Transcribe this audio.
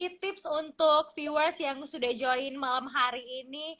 jadi tips untuk viewers yang sudah join malam hari ini